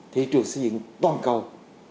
thị trường xây dựng toàn cầu